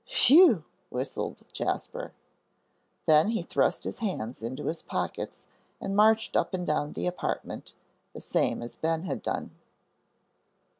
"Whew!" whistled Jasper. Then he thrust his hands into his pockets and marched up and down the apartment, the same as Ben had done.